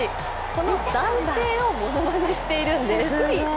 この男性をものまねしているんです。